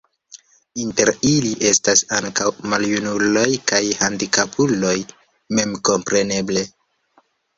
Inter ili estas ankaŭ maljunuloj kaj handikapuloj memkompreneble.